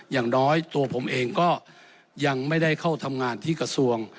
อย่างน้อยตัวผมเองก็ยังไม่ได้เข้าทำงานที่กระทรวง